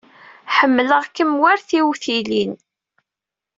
Ḥemmleɣ-kem war tiwtilin.